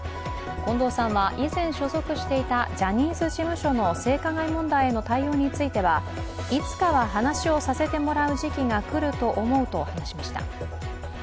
近藤さんは以前所属していたジャニーズ事務所の性加害問題への対応については、いつかは話をさせてもらう時期が来ると思うと話しました。